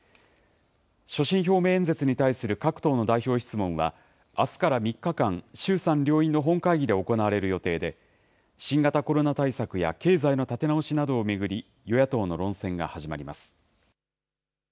所信表明演説に対する各党の代表質問は、あすから３日間、衆参両院の本会議で行われる予定で、新型コロナ対策や経済の立て直しなどを巡り、与野党の論戦が始まります。